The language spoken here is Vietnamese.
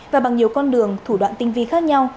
và bằng nhiều con đường thủ đoạn tinh vi khác nhau